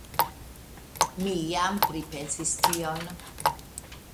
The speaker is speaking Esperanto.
Mi jam pripensis tion.